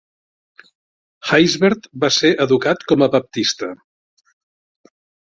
Haysbert va ser educat com a Baptista.